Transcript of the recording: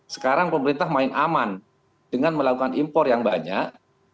sekarang pemerintah main aman dengan melakukan impor yang banyak